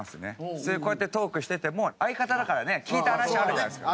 普通にこうやってトークしてても相方だからね聞いた話あるじゃないですか。